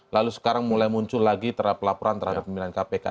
lalu sekarang mulai muncul lagi terhadap laporan terhadap pimpinan kpk